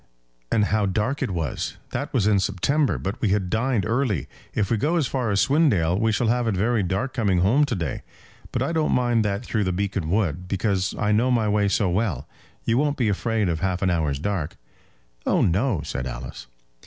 "And how dark it was! That was in September, but we had dined early. If we go as far as Swindale we shall have it very dark coming home to day; but I don't mind that through the Beacon Wood, because I know my way so well. You won't be afraid of half an hour's dark?" "Oh, no," said Alice.